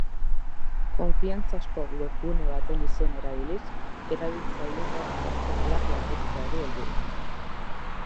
Konfiantzazko webgune baten izena erabiliz, erabiltzaileen datu pertsonalak lapurtzea du helburu.